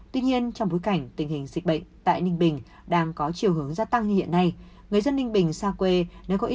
tuy nhiên trong bối cảnh tình hình dịch bệnh tại ninh bình đang có chiều hướng gia tăng hiện nay